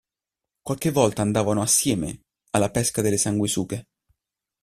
Qualche volta andavano assieme alla pesca delle sanguisughe.